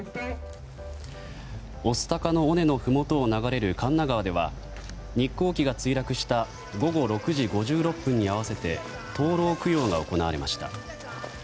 御巣鷹の尾根のふもとを流れる神流川では日航機が墜落した午後６時５６分に合わせて灯籠供養が行われました。